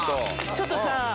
ちょっとさ。